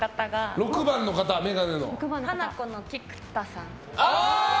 ６番の方、ハナコの菊田さん。